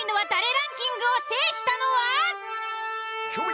ランキングを制したのは。